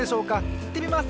いってみます！